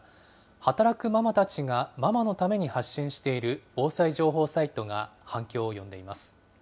働くママたちが、ママのために発信している防災情報サイトが反響を呼んでいます。